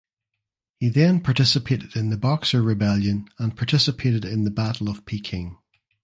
He then participated in the Boxer Rebellion and participated in the Battle of Peking.